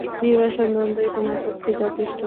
নির্বাসনদণ্ডই তোমার পক্ষে যথেষ্ট।